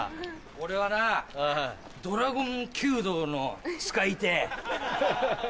俺はなドラゴン弓道の使い手。